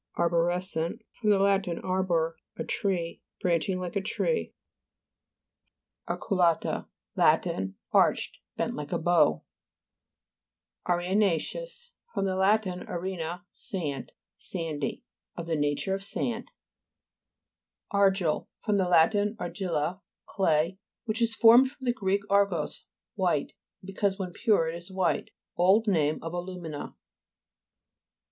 ARBORE'SCEXT fr. lat. arbor, a tree. Branching like a tree. AHCUA'TA Lat. Arched; bent like a bow. AREXA'CEOUS fr. lat. arena, sand. Sandy ; of the nature of sand. ARGIJ. fr. lat. argil/a, clay, which is formed from the Greek argos, white ; because when pure it is white. Old name of alu'mina.